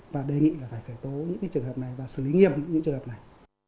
và đề nghị là phải khởi tố những trường hợp này và xử lý nghiêm những trường hợp này